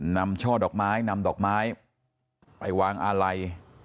ช่อดอกไม้นำดอกไม้ไปวางอาลัย